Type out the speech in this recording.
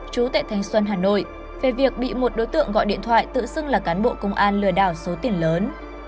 chú tại thành xuân hà nội về việc bị một đối tượng gọi điện thoại tự xưng là cán bộ công an lừa đảo số tiền lớn